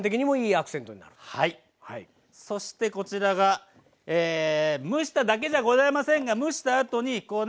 そしてこちらが蒸しただけじゃございませんが蒸したあとにこうね